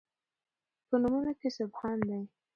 په نومونو کې سبحان دی